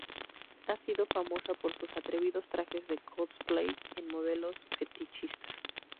Ha sido famosa por sus atrevidos trajes de cosplay en modelos fetichistas.